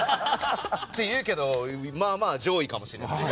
っていうけどまあまあ上位かもしれない。